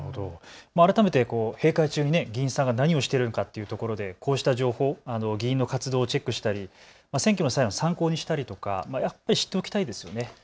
改めて閉会中に議員が何をしているかというところでこうした情報をチェックしたり選挙の際の参考にしたり知っておきたいですね。